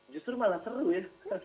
justru malah seru ya